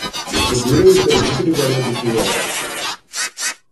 The Bureau is the executive body of the CoR.